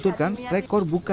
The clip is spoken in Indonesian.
bukan hanya oleh keluarga